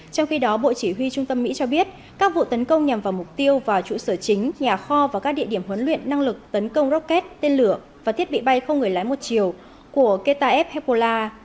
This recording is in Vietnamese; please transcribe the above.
trong khi đó bộ chỉ huy trung tâm mỹ cho biết các vụ tấn công nhằm vào mục tiêu vào trụ sở chính nhà kho và các địa điểm huấn luyện năng lực tấn công rocket tên lửa và thiết bị bay không người lái một chiều của qae hezbollah